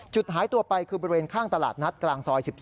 หายตัวไปคือบริเวณข้างตลาดนัดกลางซอย๑๒